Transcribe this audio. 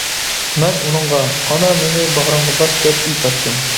مەن ئۇنىڭغا «ئانا مېنى باغرىڭغا باس» دەپ ئېيتاتتىم.